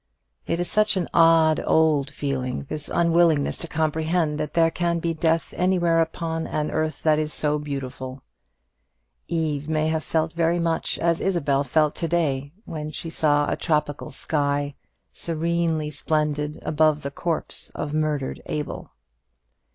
It is such an old, old feeling, this unwillingness to comprehend that there can be death anywhere upon an earth that is so beautiful. Eve may have felt very much as Isabel felt to day, when she saw a tropical sky, serenely splendid, above the corpse of murdered Abel.